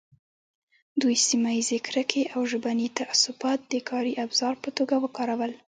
دوی سیمه ییزې کرکې او ژبني تعصبات د کاري ابزار په توګه وکارول.